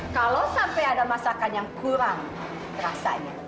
kalau sampai ada masakan yang kurang rasanya